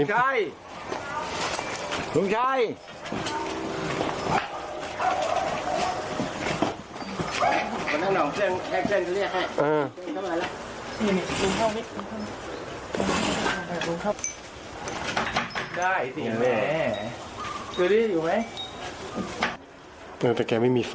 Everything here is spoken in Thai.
เกิดไหมแต่แกไม่มีไฟอ่ะไม่ติดอ่ะอืมไฟไปแล้วห้ะ